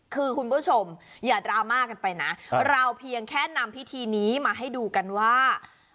คือคุณผู้ชมอย่าดราม่ากันไปนะเราเพียงแค่นำพิธีนี้มาให้ดูกันว่า